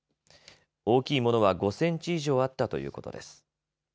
大きいものは５センチ以上あったということです。